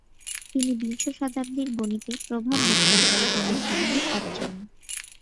তিনি বিংশ শতাব্দীর গণিতে প্রভাব বিস্তারকারী গণিতবিদদের একজন।